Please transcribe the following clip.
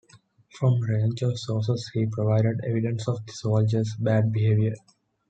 From a range of sources he provided evidence of the soldiers' bad behaviour.